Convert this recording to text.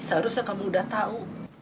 seharusnya kamu udah tahu